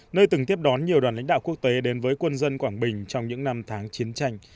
nơi từng tiếp đón nhiều đoàn lãnh đạo quốc tế đến với quân dân quảng bình trong những năm tháng chiến tranh